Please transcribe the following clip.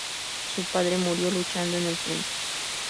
Su padre murió luchando en el frente.